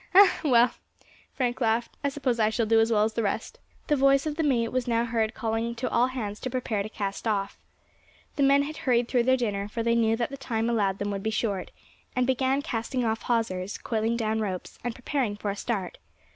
"Ah! well," Frank laughed, "I suppose I shall do as well as the rest." The voice of the mate was now heard calling to all hands to prepare to cast off. The men had hurried through their dinner, for they knew that the time allowed them would be short, and began casting off hawsers, coiling down ropes, and preparing for a start.